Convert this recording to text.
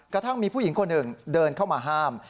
กระทั่งมีผู้หญิงคนหนึ่งเดินเข้ามาห้าม